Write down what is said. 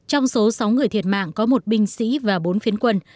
trong số sáu người thiệt mạng có một binh sĩ và bốn phiến quân